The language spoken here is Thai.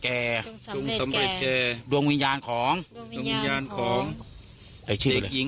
การให้ชีวิตของคนอื่นมันเป็นสิ่งที่ดี